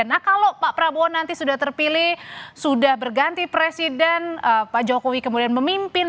jadi kalau pak prabowo nanti sudah terpilih sudah berganti presiden pak jokowi kemudian memimpin